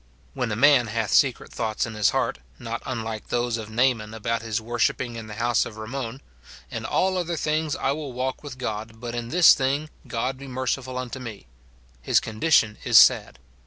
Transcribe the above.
When a man hath secret thoughts in his heart, not unlike those of Naaman about his worshipping in the house of Rimmon,* "In all other things I will walk with God, but in this thing, God be merciful unto me," his condition is sad.